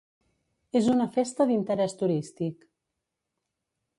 És una festa d’interès turístic.